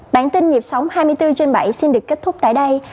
bản tin nhịp sống hai mươi bốn trên bảy xin được kết thúc tại đây